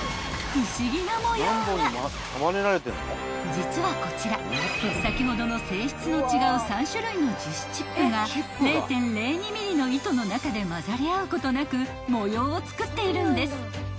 ［実はこちら先ほどの性質の違う３種類の樹脂チップが０．０２ｍｍの糸の中で混ざり合うことなく模様をつくっているんです］